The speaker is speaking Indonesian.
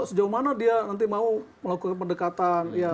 sejauh mana dia nanti mau melakukan pendekatan